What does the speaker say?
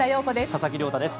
佐々木亮太です。